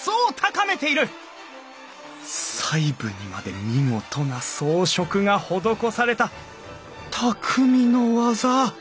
細部にまで見事な装飾が施されたたくみの技！